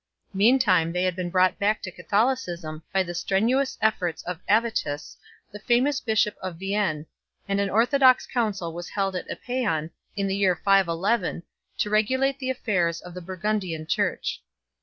Meantime they had been brought back to Catholicism by the strenuous efforts of Avitus, the famous bishop of Vienne, and an orthodox council was held at Epaon in the year 511 to regulate the affairs of the Burgundian Church.